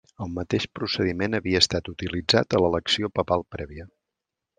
El mateix procediment havia estat utilitzat a l'elecció papal prèvia.